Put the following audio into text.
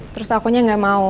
terus akunya gak mau